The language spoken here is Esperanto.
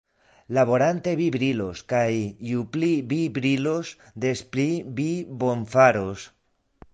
Laborante vi brilos; kaj ju pli vi brilos, des pli vi bonfaros.